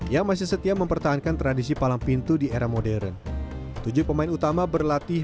yang masih setia mempertahankan tradisi palang pintu di era modern tujuh pemain utama berlatih